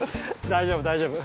大丈夫大丈夫。